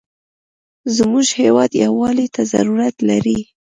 زموږ هېواد یوالي ته ضرورت لري.